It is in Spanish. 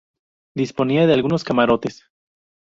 Disponía de algunos camarotes.